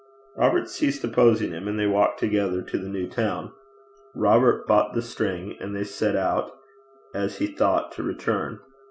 Robert ceased opposing him, and they walked together to the new town. Robert bought the string, and they set out, as he thought, to return.